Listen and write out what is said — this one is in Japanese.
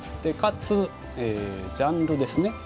かつジャンルですね